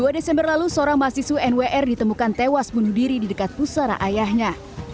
dua desember lalu seorang mahasiswa nwr ditemukan tewas bunuh diri di dekat pusara ayahnya